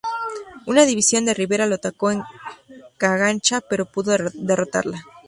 Una división de Rivera lo atacó en Cagancha, pero pudo derrotarla.